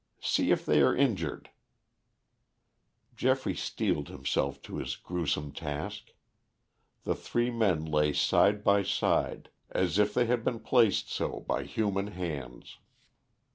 "See if they are injured." Geoffrey steeled himself to his gruesome task. The three men lay side by side as if they had been placed so by human hands.